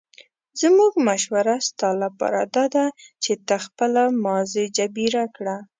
زموږ مشوره ستا لپاره داده چې ته خپله ماضي جبیره کړه.